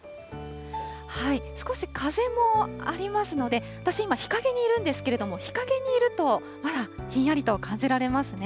少し風もありますので、私今、日陰にいるんですけれども、日陰にいるとまだひんやりと感じられますね。